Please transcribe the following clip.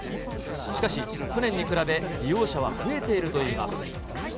しかし、去年に比べ、利用者は増えているといいます。